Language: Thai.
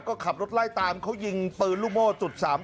เขาขับรถไล่ตามยิงปืนจุด๓๘